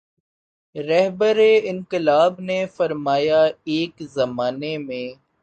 رہبرانقلاب نے فرمایا ایک زمانے میں